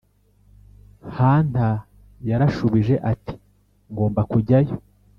hunter yarashubije ati: "ngomba kujyayo